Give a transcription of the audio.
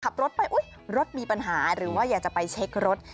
ขับรถไปรถมีปัญหาหรือว่าอยากจะไปเช็ครถ